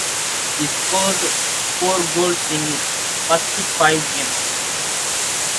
He scored four goals in his first five games.